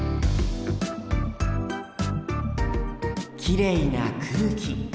きれいな空気。